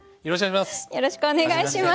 よろしくお願いします。